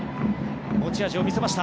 持ち味を見せました。